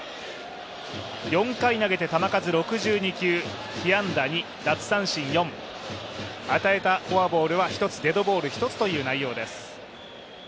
４回投げて球数６２球、被安打２、奪三振４、与えたフォアボールは１つデッドボール１つという内容です。